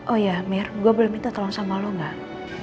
oh ya mir gue belum minta tolong sama lo gak